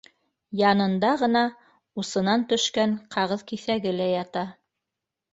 Янында ғына усынан төшкән ҡағыҙ киҫәге лә ята